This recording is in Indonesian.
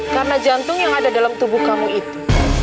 karena jantung yang ada dalam tubuh kamu itu